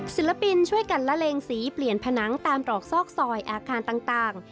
ศิลปินช่วยกันละเลงสีเปลี่ยนผนังตามตรอกซอกซอยอาคารต่าง